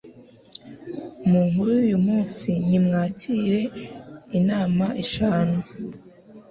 Munkuru y'uyu munsi, nimwakire inama eshanu